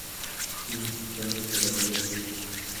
Sin, donde todavía toca.